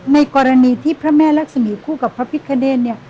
ในกรณีที่พระแม่รักษมีคู่กับพระพิคเนธเนี่ย